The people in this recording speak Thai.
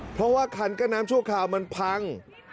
เพราะว่าขั้นการน้ำชั่วไข่มันพัง